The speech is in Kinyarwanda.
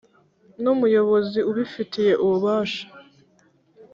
nu muyobozi ubifitiye ububasha